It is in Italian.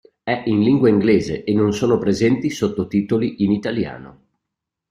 È in lingua inglese e non sono presenti sottotitoli in italiano.